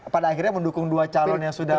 pada akhirnya mendukung dua calon yang sudah